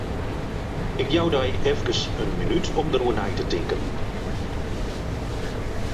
Ik jou dy efkes in minút om dêroer nei te tinken.